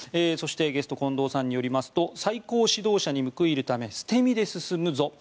そしてゲストの近藤さんによりますと最高指導者に報いるため捨て身で進むぞ